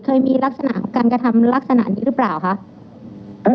เคยมีลักษณะของการกระทำลักษณะนี้หรือเปล่าคะ